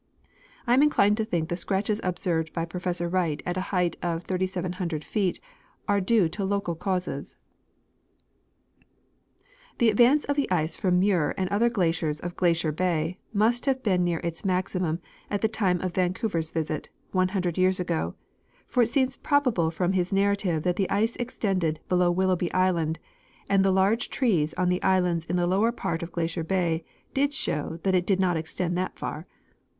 I am inclined to think the scratches observed by Professor AVright at a height of 3,700 feet * are due to local causes. The advance of the ice from Muir and other glaciers of Glacier bay must have been near its maximum at the time of Vancouver's visit, 100 5^ears ago, for it seems probable from his narrative that the ice extended below Willoughby island, and the large trees on the islands in the lower part of Glacier bay show that it did not extend that far.